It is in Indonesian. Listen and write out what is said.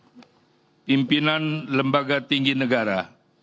bapak pemimpinan lembaga tinggi negara